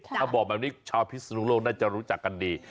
ถ้าบอกแบบนี้ชาวพิศนุโลกน่าจะรู้จักกันดี